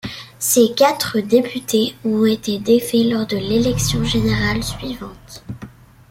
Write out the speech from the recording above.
Ces quatre députés ont été défaits lors de l'élection générale suivante.